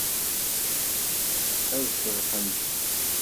Ad ceḍḥent.